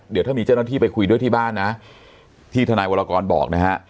เดี๋ยวถ้ามีเจ้าหน้าที่ไปคุยด้วยที่บ้านนะที่ทนายวรกรบอกนะฮะ